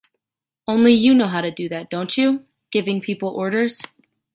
Only you know how to do that, don’t you? Giving people orders.